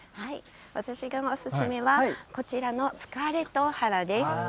私のお勧めは、こちらのスカーレットオハラです。